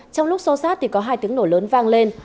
trong lúc xô sát thì có hai tiếng nổ lớn vang lên